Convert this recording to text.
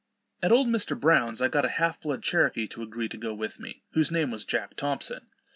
At old Mr. Brown's I got a half blood Cherokee to agree to go with me, whose name was Jack Thompson.